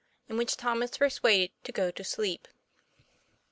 IN WHICH TOM IS PERSUADED TO GO TO SLEEP.